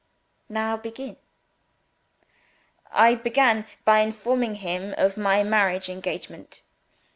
Now begin.' I began by informing him of my marriage engagement."